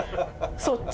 そっち？